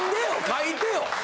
書いてよ！